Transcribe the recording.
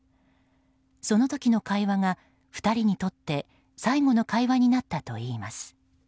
その時の会話が２人にとって最後の会話になったといいます。